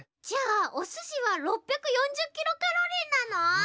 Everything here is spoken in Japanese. じゃあおすしは６４０キロカロリーなの？